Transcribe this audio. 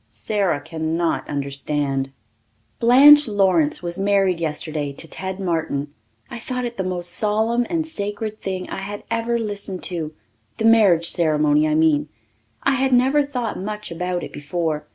'" Sara cannot understand. Blanche Lawrence was married yesterday to Ted Martin. I thought it the most solemn and sacred thing I had ever listened to the marriage ceremony, I mean. I had never thought much about it before.